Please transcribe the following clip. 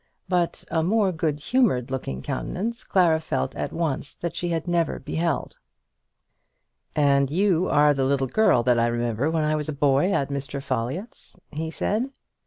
But a more good humoured looking countenance Clara felt at once that she had never beheld. "And you are the little girl that I remember when I was a boy at Mr. Folliott's?" he said.